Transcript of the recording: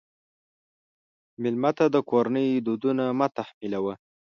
مېلمه ته د کورنۍ دودونه مه تحمیلوه.